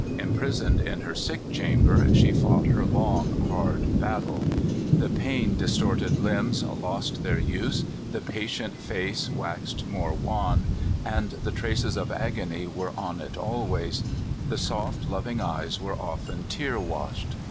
Imprisoned in her sick cham I" er, she fought her long, hard battle. The pain istorted limbs lost their use, the patient face axed more wan, and the traces of agony were on "" 80 CALIFORNIA SKETCHES. it always; the soft, loving eyes were often tear washed.